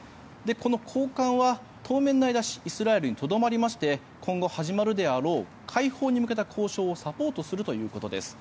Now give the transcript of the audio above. この高官は当面の間イスラエルにとどまりまして今後始まるであろう解放に向けた交渉をサポートするということです。